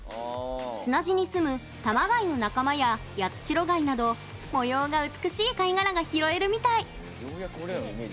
砂地に住むタマガイの仲間やヤツシロガイなど模様が美しい貝殻が拾えるみたい。